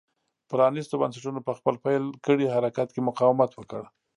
پرانېستو بنسټونو په خپل پیل کړي حرکت کې مقاومت وکړ.